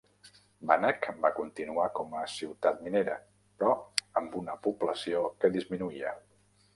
Bannack va continuar com a ciutat minera, però amb una població que disminuïa.